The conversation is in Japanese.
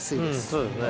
そうですね。